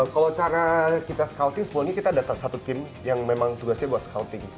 kalau cara kita scouting semuanya kita ada satu tim yang memang tugasnya buat scouting